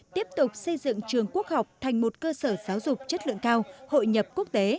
tiếp tục xây dựng trường quốc học thành một cơ sở giáo dục chất lượng cao hội nhập quốc tế